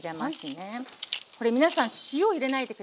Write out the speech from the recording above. これ皆さん塩入れないで下さいね。